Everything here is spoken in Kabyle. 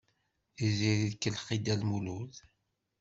Tiziri tkellex i Dda Lmulud.